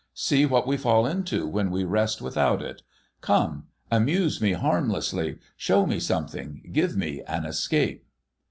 See what we fall into, when we rest without it. Come ! Amuse me harmlessly, show me something, give me an escape